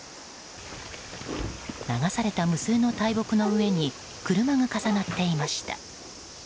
流された無数の大木の上に車が重なっていました。